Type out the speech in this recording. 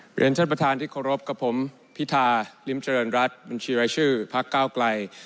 บริเวณท่านประธานที่โครบกับผมพิธาลิมจรรย์รัฐบัญชีวิตชื่อพักเก้าไกล